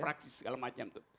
fraksi segala macam tuh